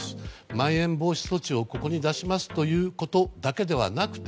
まん延防止措置をここに出しますということだけではなくて